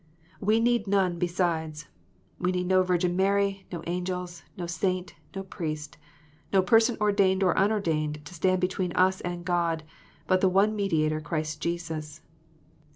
We need none besides. We need no Virgin Mary, no angels, no saint, no priest, no person ordained or unordained, to stand between us and God, but the one Mediator, Christ Jesus.